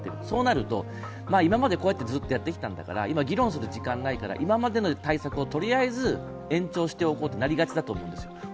そうなると、今までずっとやってきたんだから今議論する時間ないから、今までの対策をとりあえず延長しておこうとなりがちなんですよ。